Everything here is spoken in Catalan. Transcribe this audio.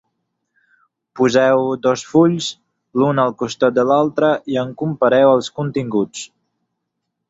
Poseu dos fulls l'un al costat de l'altre i en compareu els continguts.